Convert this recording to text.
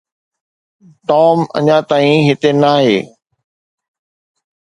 Tom اڃا تائين هتي ناهي.